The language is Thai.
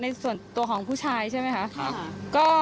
ส่วนตัวของผู้ชายใช่ไหมคะ